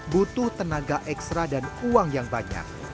butuh tenaga ekstra dan uang yang banyak